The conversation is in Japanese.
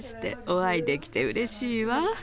お会いできてうれしいわ。